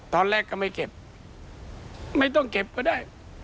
ตอนแรกก็ไม่เก็บไม่ต้องเก็บก็ได้